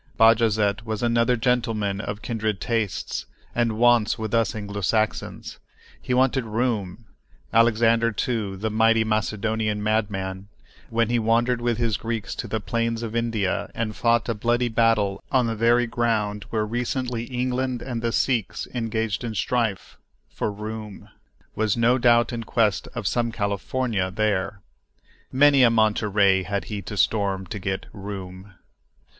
Bajazet was another gentleman of kindred tastes and wants with us Anglo Saxons—he "wanted room." Alexander, too, the mighty "Macedonian madman," when he wandered with his Greeks to the plains of India and fought a bloody battle on the very ground where recently England and the Sikhs engaged in strife for "room," was no doubt in quest of some California there. Many a Monterey had he to storm to get "room."